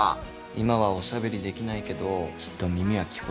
今はおしゃべりできないけどきっと耳は聞こえてるよ。